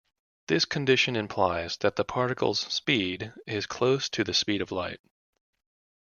This condition implies that the particle's speed is close to the speed of light.